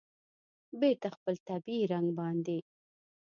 بېرته خپل طبیعي رنګ باندې